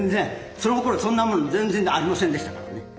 そのころそんなもん全然ありませんでしたからね。